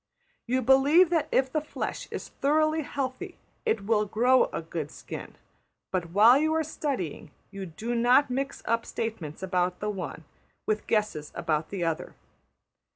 You believe that if the flesh is thoroughly healthy it will grow a good skin; but, while you are studying, you do not mix up statements about the one with guesses about the other.